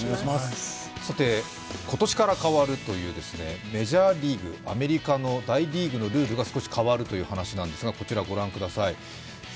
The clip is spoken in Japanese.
今年から変わるというメジャーリーグ、アメリカの大リーグのルールが少し変わるという話なんですがこちらご覧ください。